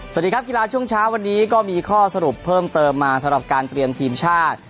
สวัสดีครับกีฬาช่วงเช้าวันนี้ก็มีข้อสรุปเพิ่มเติมมาสำหรับการเตรียมทีมชาติ